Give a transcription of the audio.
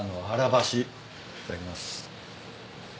いただきます。